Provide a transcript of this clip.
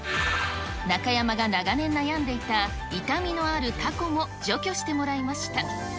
中山が長年悩んでいた、痛みのあるタコも除去してもらいました。